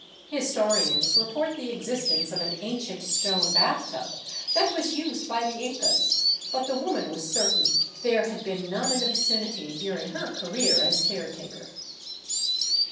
His torians report the existence of an ancient stone bathtub that was used by the Incas, but the woman was certain there had been none in the vicinity during her career as caretaker.